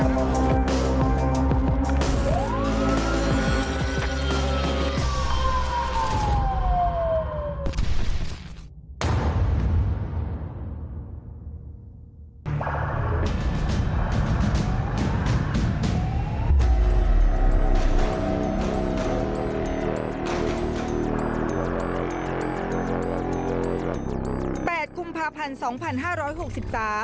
ตอนที่๘คุมภาพันธ์๒๕๖๓